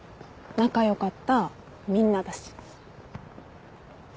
仲良かったみんなだし。